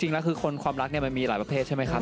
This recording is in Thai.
จริงแล้วคือคนความรักเนี่ยมันมีหลายประเภทใช่ไหมครับ